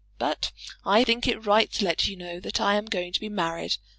But I think it right to let you know that I am going to be married.